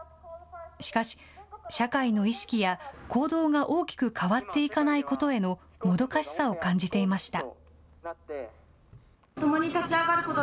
しかし、社会の意識や行動が大きく変わっていかないことへのもどかしさを感じていました。